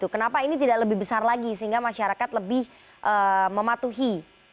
kenapa ini tidak lebih besar lagi sehingga masyarakat lebih mematuhi